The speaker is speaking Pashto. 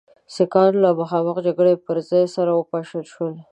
سیکهان له مخامخ جګړې پر ځای سره وپاشل شول.